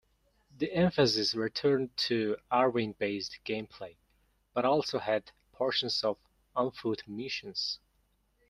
The emphasis returned to Arwing-based gameplay, but also had portions of on-foot missions.